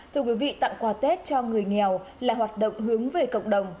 thưa quý vị tặng quà tết cho người nghèo là hoạt động hướng về cộng đồng